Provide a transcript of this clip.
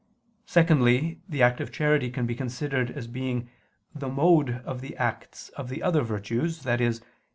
Secondly, the act of charity can be considered as being the mode of the acts of the other virtues, i.e.